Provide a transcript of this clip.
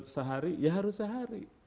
sehari ya harus sehari